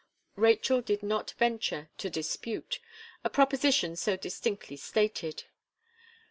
Rachel did not venture to dispute, a proposition so distinctly stated.